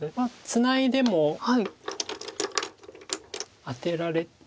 ツナいでもアテられて。